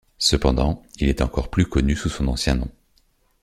Cependant, il est encore plus connu sous son ancien nom.